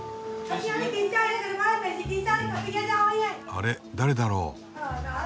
あれ誰だろう？